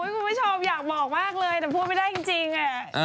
คุณผู้ชมอยากบอกมากเลยแต่พูดไม่ได้จริง